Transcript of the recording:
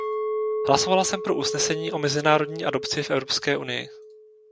Hlasovala jsem pro usnesení o mezinárodní adopci v Evropské unii.